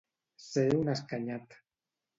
Ser un escanyat.